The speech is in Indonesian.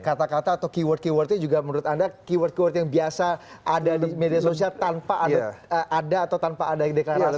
kata kata atau keyword keywordnya juga menurut anda keyword keyword yang biasa ada di media sosial tanpa ada atau tanpa ada yang deklarasi